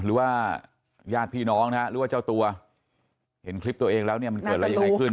หรือว่าญาติพี่น้องนะฮะหรือว่าเจ้าตัวเห็นคลิปตัวเองแล้วเนี่ยมันเกิดอะไรยังไงขึ้น